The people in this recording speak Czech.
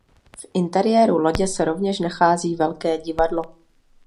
V interiéru lodě se rovněž nachází velké divadlo.